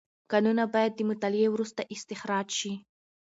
کانونه باید د مطالعې وروسته استخراج شي.